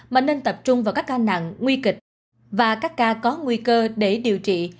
mà nên tập trung vào các ca nặng nguy kịch và các ca có nguy cơ để điều trị